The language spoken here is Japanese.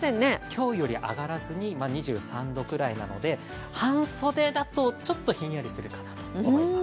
今日より上がらずに２３度ぐらいなので半袖だと、ちょっとひんやりすると思います。